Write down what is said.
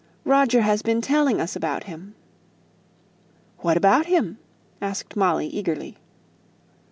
"Roger has been telling us about him." "What about him?" asked Molly, eagerly.